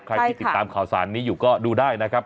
ใครที่ติดตามข่าวสารนี้อยู่ก็ดูได้นะครับ